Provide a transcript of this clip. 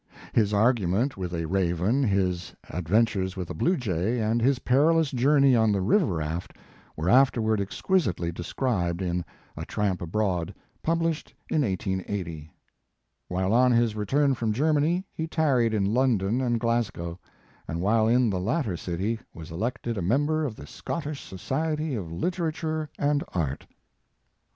His argument with a raven, his adventures with a blue jay and his perilous journey on the river rail, were afterward exquisitely described in "A Tramp Abroad," published in 1880. While on his return from Germany, he tarried in London and Glasgow, and while in the latter city was elected a member of the Scottish Society of Litera ture and Art.